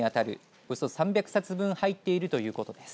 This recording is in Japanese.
およそ３００冊分入っているということです。